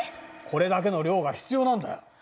これだけの量が必要なんだよ。